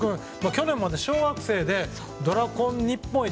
去年まで小学生でドラコン日本一。